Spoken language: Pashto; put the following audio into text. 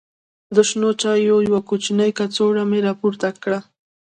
د شنو چایو یوه کوچنۍ کڅوړه مې راپورته کړه.